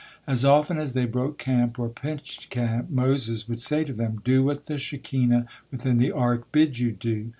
As often as they broke camp or pitched camp Moses would say to them: "Do what the Shekinah within the Ark bids you do."